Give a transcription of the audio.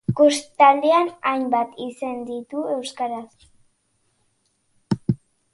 Kostaldean, hainbat izen ditu euskaraz.